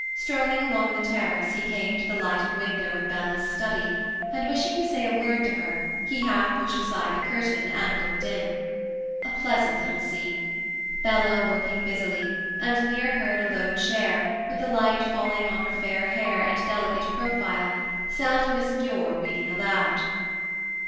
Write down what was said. Strolling along the terrace, he came to the lighted window of Bella's study, and wishing to say a word to her, he half pushed aside the curtain and looked in. A pleasant little scene. Bella working busily, and near her in a low chair, with the light falling on her fair hair and delicate profile, sat Miss Muir reading aloud.